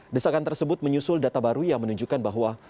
desakan tersebut menyusul data baru yang menunjukkan bahwa